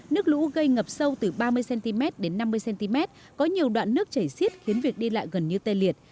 nước lũ gây ngập sâu từ ba mươi cm đến năm mươi cm có nhiều đoạn nước chảy xiết khiến việc đi lại gần như tê liệt